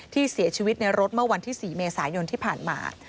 ที่เสียชีวิตในรถเมื่อวันที่๔เมษายนที่ผ่านมา